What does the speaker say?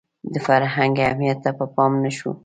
د فرهنګ اهمیت ته پام نه شو